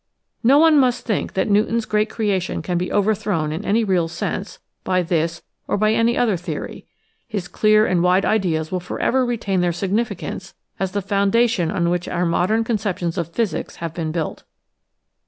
No one must think that Newton's great creation can be overthrown in any real sense by this or by any other theory. His clear and wide ideas will forever retain their significance as the foundation on which our modern con ceptions of physics have been built.